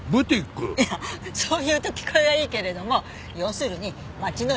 そう言うと聞こえはいいけれども要するに街の衣料品店。